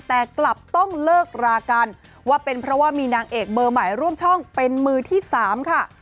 แต่กลับต้องเลิกรากันว่าเป็นเพราะว่ามีนางเอกเบอร์ใหม่ร่วมช่องเป็นมือที่๓ค่ะ